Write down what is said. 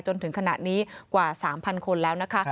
จนถึงขณะนี้กว่า๓๐๐คนแล้วนะคะ